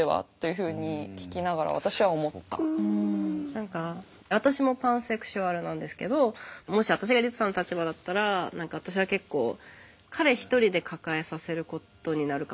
何か私もパンセクシュアルなんですけどもし私がリツさんの立場だったら何か私は結構彼一人で抱えさせることになるかもしれない。